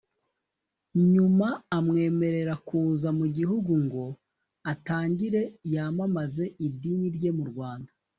nyuma amwemerera kuza mu gihugu ,ngo atangire yamamaze idini rye mu Rwanda